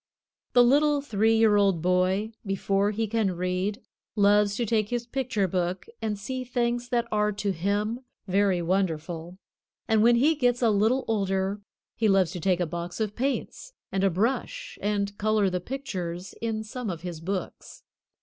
The little three year old boy before he can read, loves to take his picture book and see things that are to him very wonderful, and when he gets a little older he loves to take a box of paints and a brush and color the pictures in some of his books.